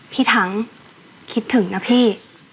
พี่ถังคิดถึงนะพี่